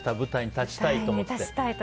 立ちたいと思って。